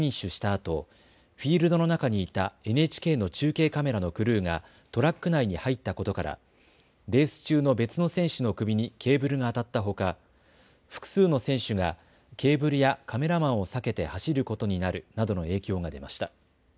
あとフィールドの中にいたＮＨＫの中継カメラのクルーがトラック内に入ったことからレース中の別の選手の首にケーブルが当たったほか複数の選手がケーブルやカメラマンを避けて走ることになるなどの影響が出ました。